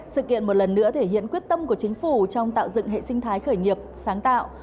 sự kiện một lần nữa thể hiện quyết tâm của chính phủ trong tạo dựng hệ sinh thái khởi nghiệp sáng tạo